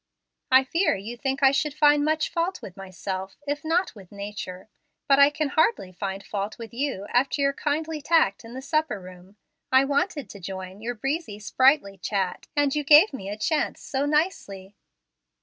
"I fear you think I should find much fault with myself, if not with nature. But I can hardly find fault with you after your kindly tact in the supper room. I wanted to join your breezy, sprightly chat, and you gave me a chance so nicely."